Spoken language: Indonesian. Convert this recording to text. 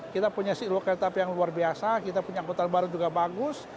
kita punya si uang kereta api yang luar biasa kita punya akuntan baru juga bagus